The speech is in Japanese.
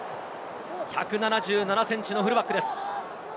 １７７センチのフルバックです。